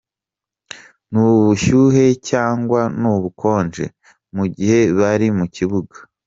n’ubushyuhe cyangwa n’ubukonje mu gihe bari mu kibuga.